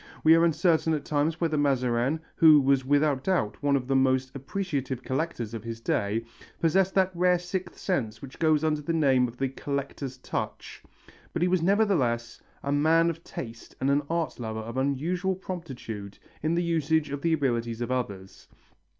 We are uncertain at times whether Mazarin, who was without doubt one of the most appreciative collectors of his day, possessed that rare sixth sense that goes under the name of the collector's touch, but he was nevertheless a man of taste and an art lover of unusual promptitude in the use of the ability of others.